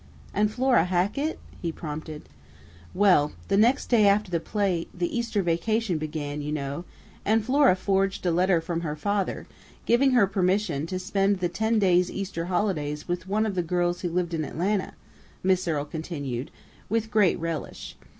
"And Flora Hackett ?" he prompted. "Well, the next day after the play the Easter vacation began, you know, and Flora forged a letter from her father, giving her permission to spend the ten days' Easter holiday with one of the girls who lived in Atlanta," Miss Earle continued, with great relish.